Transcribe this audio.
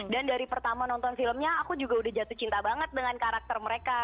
dan dari pertama nonton filmnya aku juga udah jatuh cinta banget dengan karakter mereka